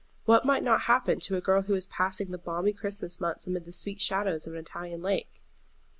What might not happen to a girl who was passing the balmy Christmas months amid the sweet shadows of an Italian lake?